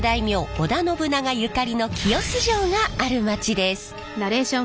織田信長ゆかりの清洲城がある街です。